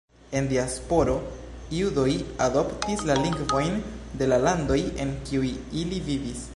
En diasporo judoj adoptis la lingvojn de la landoj en kiuj ili vivis.